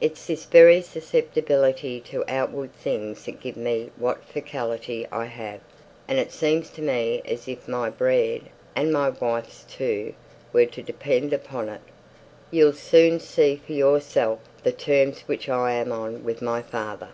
It's this very susceptibility to outward things that gives me what faculty I have; and it seems to me as if my bread, and my wife's too, were to depend upon it. You'll soon see for yourself the terms which I am on with my father!"